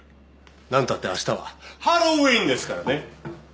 何たってあしたはハロウィーンですからね。